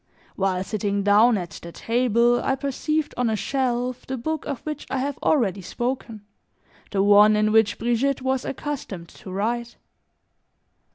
While sitting down at the table, I perceived on a shelf the book of which I have already spoken, the one in which Brigitte was accustomed to write.